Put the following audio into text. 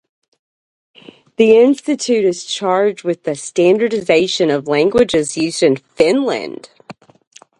The institute is charged with the standardization of languages used in Finland.